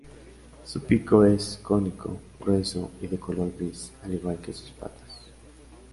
Su pico es cónico, grueso y de color gris, al igual que sus patas.